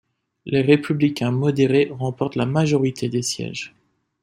Les républicains modérés remportent la majorité des sièges.